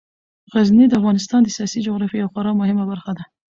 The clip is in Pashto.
غزني د افغانستان د سیاسي جغرافیې یوه خورا مهمه برخه ده.